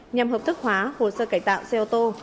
nhằm hợp thức hóa hồ sơ cải tạo xe ô tô